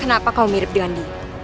kenapa kau mirip dengan dia